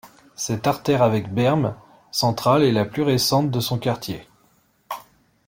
Cette artère avec berme centrale est la plus récente de son quartier.